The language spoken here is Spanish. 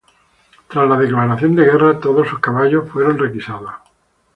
Tras la declaración de guerra, todos sus caballos fueron requisados.